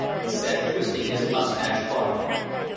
he said, twisting his mustache thoughtfully.